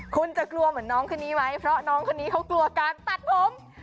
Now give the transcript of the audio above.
คุณจะกลัวเหมือนน้องคนนี้ไหมเพราะน้องคนนี้เขากลัวการตัดผม